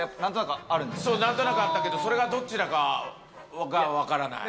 何となくあったけどそれがどっちだか分からない。